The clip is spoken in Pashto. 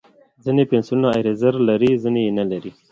ځینې پنسلونه ایریزر لري، ځینې یې نه لري.